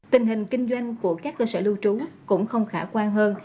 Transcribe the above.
tình hình kinh doanh của các cơ sở lưu trú cũng không khả quan hơn